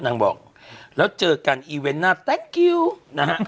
นางบอกแล้วเจอกันอีเว่นน่ะนะฮะ